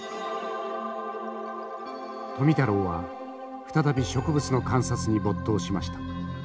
富太郎は再び植物の観察に没頭しました。